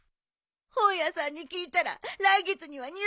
本屋さんに聞いたら来月には入荷するって。